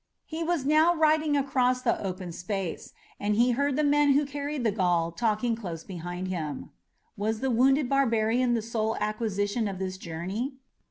He was now riding across the open space, and he heard the men who carried the Gaul talking close behind him. Was the wounded barbarian the sole acquisition of this journey?